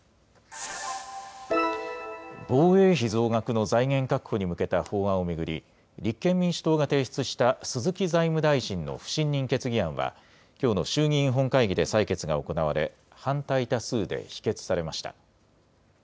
防衛費増額の財源確保に向けた法案を巡り、立憲民主党が提出した鈴木財務大臣の不信任決議案は、きょうの衆議院本会議で採決が行われ、反対多数で否決されました。